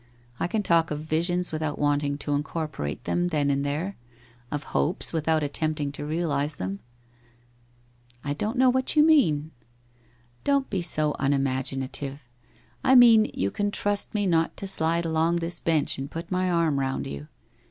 I can talk of visions without wanting to incorporate them then and there, of hopes without attempting to realize them.' ' I don't know what you mean.' ' Don't be so unimaginative ! I mean, you can trust me not to sidle along this bench and put my arm round you.